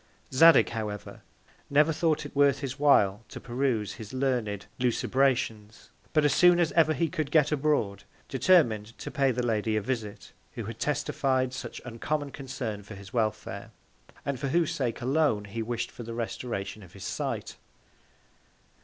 Zadig, however, never thought it worth his while to peruse his learned Lucubrations; but, as soon as ever he could get abroad, determin'd to pay the Lady a Visit, who had testified such uncommon Concern for his Welfare, and for whose Sake alone he wish'd for the Restoration of his Sight.